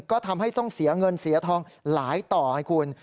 ก็ทำให้ต้องเสียเงินเสียทองหลายต่อให้คุณ